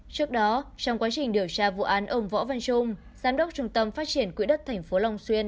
trước đó trong quá trình điều tra vụ án ông võ văn trung giám đốc trung tâm phát triển quỹ đất tp long xuyên